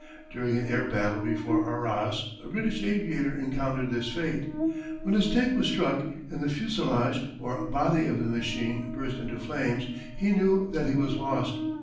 During an air battle before Arras, a British aviator encountered this fate. When his tank was struck and the fusillage, or body, of his machine burst into flames, he knew that he was lost.